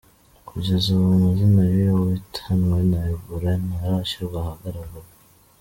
Kugeza ubu amazina y’uyu wahitanwe na Ebola ntarashyirwa ahagaragara.